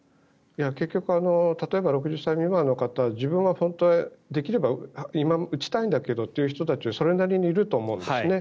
結局、例えば６０歳未満の方自分は本当はできれば打ちたいんだけどという人たちはそれなりにいると思うんですね。